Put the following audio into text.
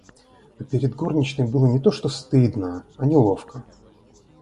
Но пред горничной было не то что стыдно, а неловко.